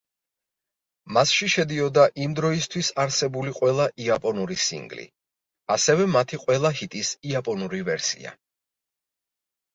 მასში შედიოდა იმ დროისთვის არსებული ყველა იაპონური სინგლი, ასევე მათი ყველა ჰიტის იაპონური ვერსია.